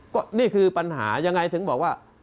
ก็นี่คือปัญหายังไงถึงบอกว่า